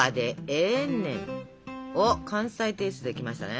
おっ関西テイストできましたね。